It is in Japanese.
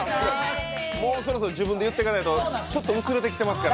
もうそろそろ自分で言っていかないと薄れてきましたから。